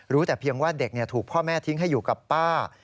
แต่เพียงว่าเด็กถูกพ่อแม่ทิ้งให้อยู่กับป้า